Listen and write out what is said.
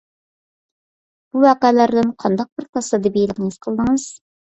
بۇ ۋەقەلەردىن قانداق بىر تاسادىپىيلىقنى ھېس قىلدىڭىز؟